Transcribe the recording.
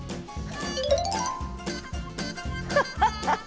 ハハハハ！